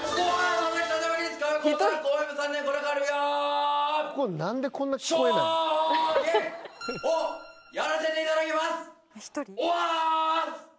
「将棋」をやらせていただきます！